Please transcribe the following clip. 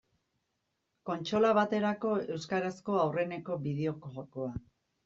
Kontsola baterako euskarazko aurreneko bideo-jokoa.